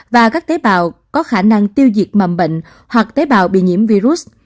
và các tế bào có khả năng tiêu diệt mầm bệnh hoặc tế bào bị nhiễm virus